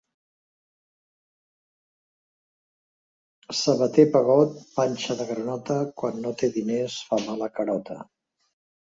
Sabater pegot, panxa de granota, quan no té diners fa mala carota.